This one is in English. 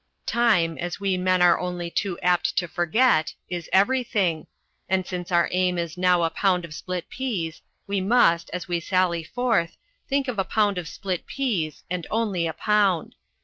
Time, as We Men are only too apt to forget, is everything, and since our aim is now a pound of split peas we must, as we sally forth, think of a pound of split peas and only a pound.